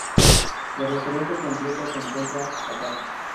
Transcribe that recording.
La referencia completa se encuentra acá.